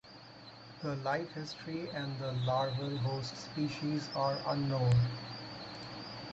The life history and the larval host species are unknown.